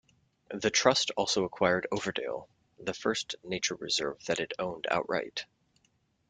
The Trust also acquired Overdale, the first nature reserve that it owned outright.